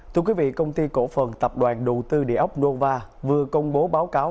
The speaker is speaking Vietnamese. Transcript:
thưa quý vị công ty cổ phần tập đoàn đầu tư địa ốc nova vừa công bố báo cáo